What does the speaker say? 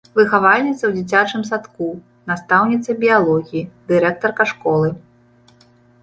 Выхавальніца ў дзіцячым садку, настаўніца біялогіі, дырэктарка школы.